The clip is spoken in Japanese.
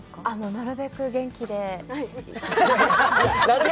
なるべく元気で。